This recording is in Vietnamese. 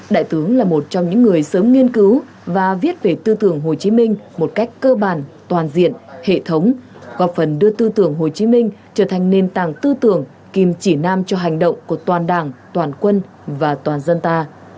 đại tướng là một trong những người sớm nghiên cứu và viết về tư tưởng hồ chí minh một cách cơ bản toàn diện hệ thống góp phần đưa tư tưởng hồ chí minh trở thành nền tảng tư tưởng kim chỉ nam cho hành động của toàn đảng toàn quân và toàn dân ta